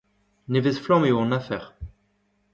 Nevez-flamm eo an afer.